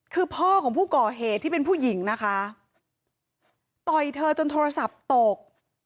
คือพ่อของผู้ก่อเหตุที่เป็นผู้หญิงนะคะต่อยเธอจนโทรศัพท์ตก